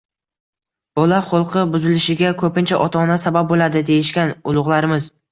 Bola xulqi buzilishiga ko‘pincha ota-ona sabab bo‘ladi, deyishgan ulug'larimiz.